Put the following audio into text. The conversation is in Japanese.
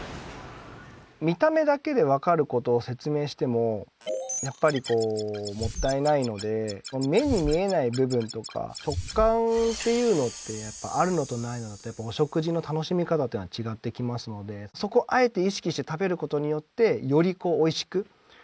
見た目だけで分かることを説明してもやっぱりもったいないので目に見えない部分とか食感っていうのってやっぱあるのとないのだとお食事の楽しみ方っていうのは違ってきますので一つ説明の中の意図ではあります。